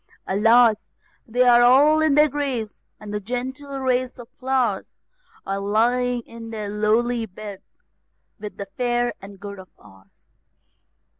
Alas! they all are in their graves, the gentle race of flowers Are lying in their lowly beds, with the fair and good of ours.